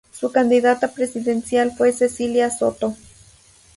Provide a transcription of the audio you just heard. Su candidata presidencial fue Cecilia Soto.